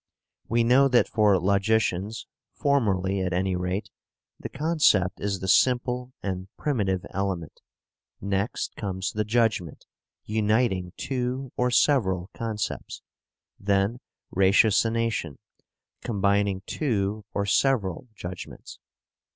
We know that for logicians (formerly at any rate) the concept is the simple and primitive element; next comes the judgment, uniting two or several concepts; then ratiocination, combining two or several judgments.